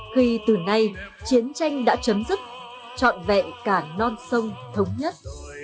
khi từ nay chiến tranh đã chấm dứt trọn vẹn cả non sông thống nhất